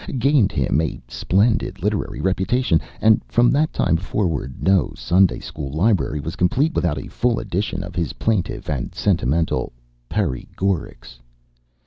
gained him a splendid literary reputation, and from that time forward no Sunday school library was complete without a full edition of his plaintive and sentimental "Perry Gorics."